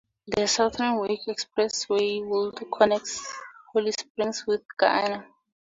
The Southern Wake Expressway would connect Holly Springs with Garner.